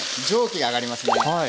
蒸気が上がりますね。